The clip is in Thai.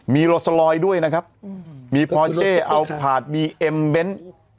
มีโรสลอยด้วยนะครับมีพอเช่เอาผาดมีเอ็มเบ้น